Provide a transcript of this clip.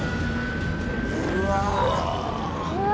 うわ！